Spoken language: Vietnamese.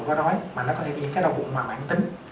có nói mà nó có những cái đau bụng mà mạng tính